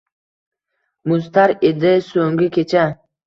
Muztar edi soʼnggi kecha